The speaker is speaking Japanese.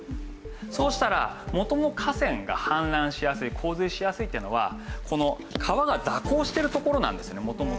そうしたら元の河川が氾濫しやすい洪水しやすいっていうのはこの川が蛇行しているところなんですよね元々。